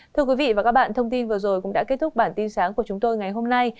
thưa quý vị và các bạn thông tin vừa rồi cũng đã kết thúc bản tin sáng của chúng tôi ngày hôm nay